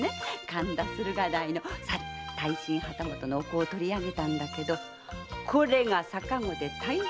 神田駿河台の大身旗本のお子を取りあげたんだけどこれが逆子で大変な難産。